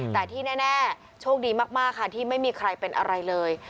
แต่ที่แน่โชคดีมากค่ะที่ไม่มีใครเป็นอะไรเลย